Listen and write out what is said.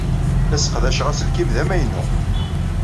La sseqdaceɣ aselkim d amaynu.